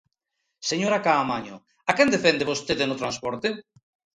Señora Caamaño, ¿a quen defende vostede no transporte?